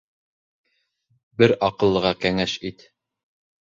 Бер аҡыллыға кәңәш ит